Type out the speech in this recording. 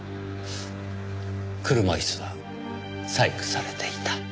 車椅子は細工されていた。